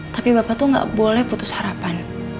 tapi bapak tuh gak boleh putus harapan